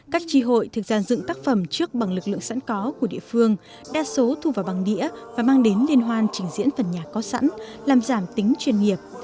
các tri hội thực ra dựng tác phẩm trước bằng lực lượng sẵn có của địa phương đa số thu vào bằng đĩa và mang đến liên hoan trình diễn phần nhạc có sẵn làm giảm tính chuyên nghiệp